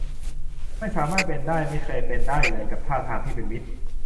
ไม่สามารถเป็นได้ ไม่เคยเป็นได้เลยกับท่าทางที่เป็นมิตร